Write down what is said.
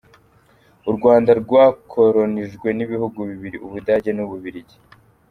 U Rwanda rwakoronijwe n’ibihugu bibiri: Ubudage n’Ububirigi.